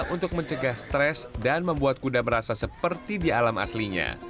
untuk mencegah stres dan membuat kuda merasa seperti di alam aslinya